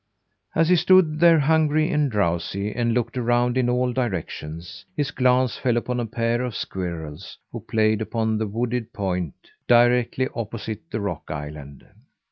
As he stood there hungry and drowsy, and looked around in all directions, his glance fell upon a pair of squirrels, who played upon the wooded point, directly opposite the rock island.